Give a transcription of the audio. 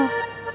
neneng mah udah